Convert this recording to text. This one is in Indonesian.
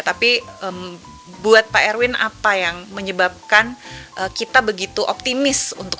tapi buat pak erwin apa yang menyebabkan kita begitu optimis untuk dua ribu dua puluh empat